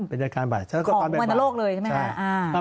เป็นอาการบ่ายของวันโลกเลยใช่ไหมคะ